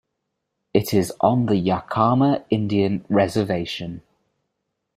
It is on the Yakama Indian Reservation.